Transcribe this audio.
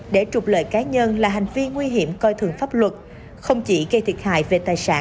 để trục lợi cá nhân là hành vi nguy hiểm coi thường pháp luật